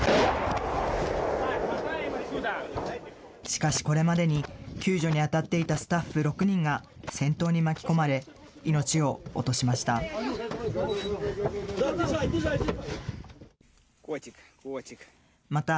しかし、これまでに救助に当たっていたスタッフ６人が戦闘に巻き込まれ、命を落としました。